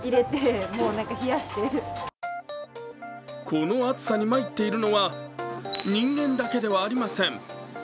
この暑さに参っているのは人間だけではありません。